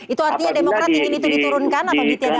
itu artinya demokrat ingin itu diturunkan atau ditiadakan